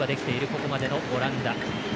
ここまでのオランダ。